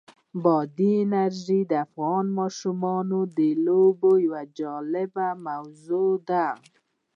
بادي انرژي د افغان ماشومانو د لوبو یوه جالبه موضوع ده.